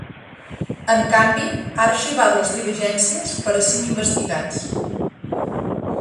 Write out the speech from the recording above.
En canvi, ha arxivat les diligències per a cinc investigats.